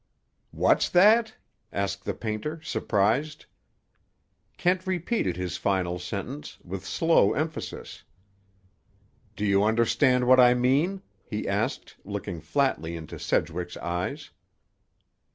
"What's that?" asked the painter, surprised. Kent repeated his final sentence, with slow emphasis. "Do you understand what I mean?" he asked, looking flatly into Sedgwick's eyes.